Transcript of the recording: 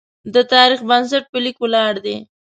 د تاریخ بنسټ په لیک ولاړ دی.